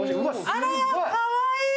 あらら、かわいい。